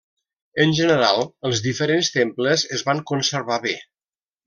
En general, els diferents temples es van conservar bé.